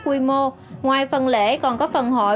quy mô ngoài phần lễ còn có phần hội